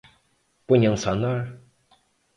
Ponham-se a andar